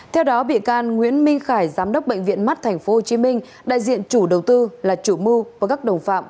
theo đó bị can nguyễn minh khải giám đốc bệnh viện mắt tp hcm đại diện chủ đầu tư là chủ mưu và các đồng phạm